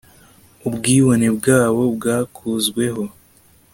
Ubwibone bwabo bwakozweho